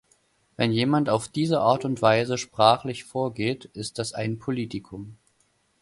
Wenn jemand auf diese Art und Weise sprachlich vorgeht, ist das ein Politikum.